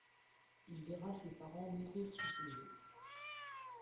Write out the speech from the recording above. Il verra ses parents mourir sous ses yeux.